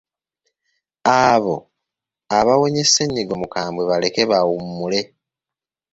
Abo abawonye ssennyiga omukambwe baleke bawummule.